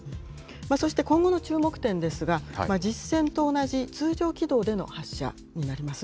そして今後の注目点ですが、実戦と同じ通常軌道での発射になります。